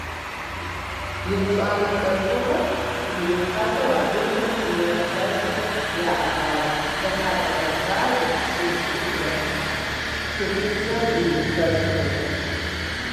Епщӏанэ лӀэщӀыгъуэм ирихьэлӀэу абыхэм щӀыналъэшхуэ яӀыгъащ: КъухьэпӀэ Кавказыр, Псыжь Ӏуфэр, хы ФӀыцӀэм и Ӏуфэшхуэр.